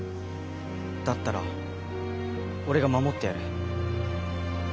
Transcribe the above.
だったら俺が守ってやる。